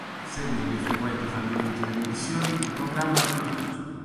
A seguito dei frequenti fallimenti delle missioni, il programma venne chiuso.